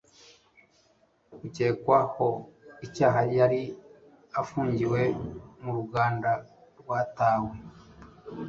ukekwaho icyaha yari afungiwe mu ruganda rwatawe